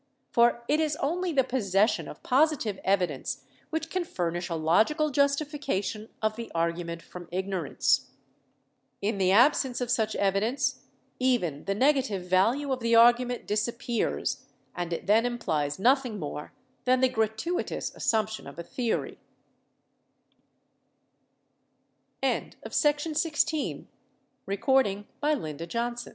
For it is only the possession of positive evidence which can furnish a logical justification of the argument from ignorance. In the absence of such evidence even the negative value of the argument disappears and it then implies nothing more than the gratuitous assumption